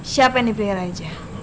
siapa yang dipilih raja